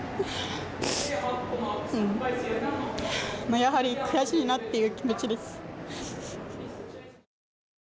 やはり悔しいなという気持ちです。